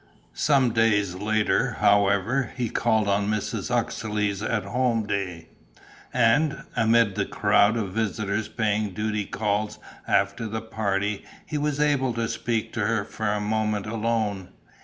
Some days later, however, he called on Mrs. Uxeley's at home day; and, amid the crowd of visitors paying duty calls after the party, he was able to speak to her for a moment alone.